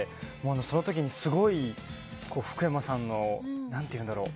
その時にすごい福山さんの何ていうんだろう。